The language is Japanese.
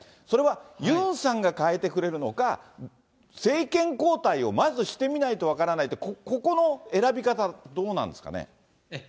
それはユンさんが変えてくれるのか、政権交代をまずしてみないと分からないって、ここの選び方、どうなんですかね。